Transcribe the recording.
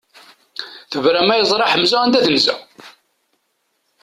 Tebra ma yeẓra Ḥemza anda yenza!